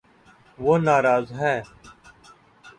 وہ ناراض ہے